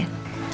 masak mah ya